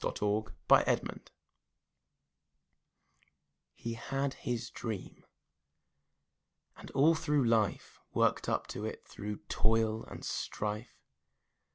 HE HAD HIS DREAM He had his dream, and all through life, Worked up to it through toil and strife.